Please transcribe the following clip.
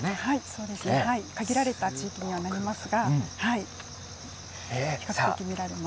そうですね、限られた地域にはなりますが比較的見られます。